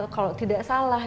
kalau tidak salah